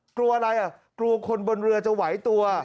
กลัวอะไรอ่ะกลัวคนบนเรือจะไหวตัว